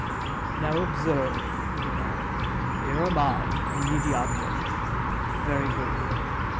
"Now observe," he began. "Here am I, a needy object. Very good.